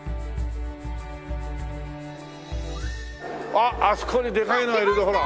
あっあそこにでかいのがいるぞほら。